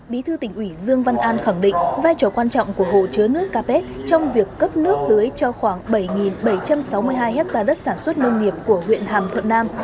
bí thư tỉnh ủy dương văn an khẳng định vai trò quan trọng của hồ chứa nước capet trong việc cấp nước tưới cho khoảng bảy bảy trăm sáu mươi hai hectare đất sản xuất nông nghiệp của huyện hàm thuận nam